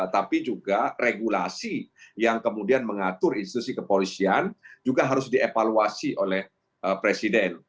tapi juga regulasi yang kemudian mengatur institusi kepolisian juga harus dievaluasi oleh presiden